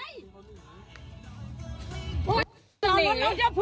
โอ๊ยรถเก๋งคันนั้นมันจะพลึง